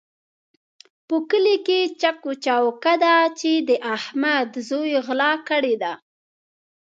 په کلي کې چک چوکه ده چې د احمد زوی غلا کړې ده.